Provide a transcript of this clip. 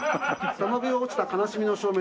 多摩美を落ちた悲しみの照明。